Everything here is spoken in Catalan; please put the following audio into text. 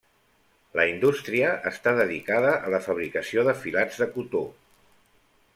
La indústria està dedicada a la fabricació de filats de cotó.